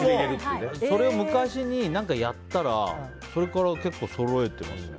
それを昔にやってそれから結構そろえています。